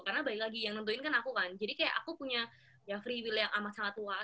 karena balik lagi yang nentuin kan aku kan jadi kayak aku punya free will yang amat sangat luas gitu